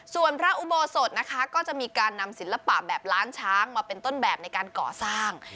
ส่วนพระอุโบสถนะคะก็จะมีการนำศิลปะแบบล้านช้างมาเป็นต้นแบบในการก่อสร้าง